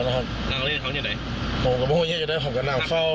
นั่งอันนี้เขาอยู่ไหนผมกับหัวเย็นจะได้ของกับนางเฝ้านะครับ